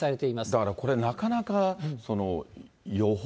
だからこれ、なかなか予報？